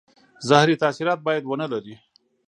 زهري تاثیرات باید ونه لري.